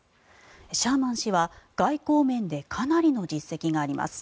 シャーマン氏は外交面でかなりの実績があります。